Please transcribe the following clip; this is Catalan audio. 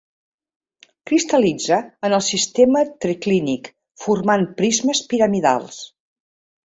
Cristal·litza en el sistema triclínic formant prismes piramidals.